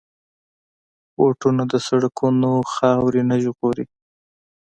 بوټونه د سړکونو خاورې نه ژغوري.